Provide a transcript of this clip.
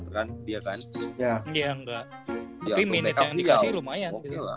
tapi minute yang dikasih lumayan